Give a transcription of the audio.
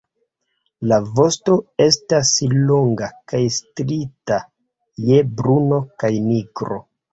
La vosto estas longa kaj striita je bruno kaj nigro.